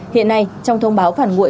hiện nay trong thông báo phản nguội